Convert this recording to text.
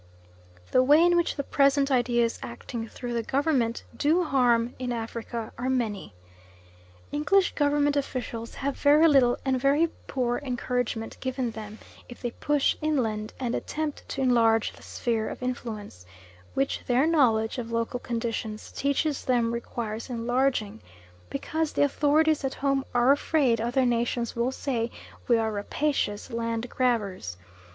The way in which the present ideas acting through the Government do harm in Africa are many. English Government officials have very little and very poor encouragement given them if they push inland and attempt to enlarge the sphere of influence, which their knowledge of local conditions teaches them requires enlarging, because the authorities at home are afraid other nations will say we are rapacious landgrabbers.